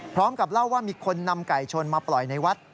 พร้อมกับเล่าว่ามีคนนำไก่ชนมาปล่อยในวัด